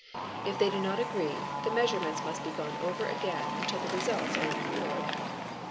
If they do not agree, the measurements must be gone over again until the | results are in accord.